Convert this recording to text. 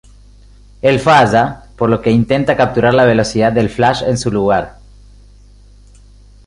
Él falla, por lo que intenta capturar la velocidad del flash en su lugar.